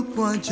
aku akan pergi